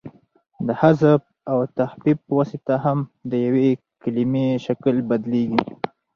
د حذف او تخفیف په واسطه هم د یوې کلیمې شکل بدلیږي.